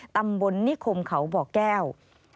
ตำรวจสพนิคมเขาบแก้วอพยุหาคียารีจังหวัดนครสวรรค์